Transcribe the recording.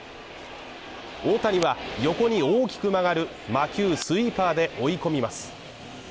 大谷は横に大きく曲がる魔球スイーパーで追い込みます。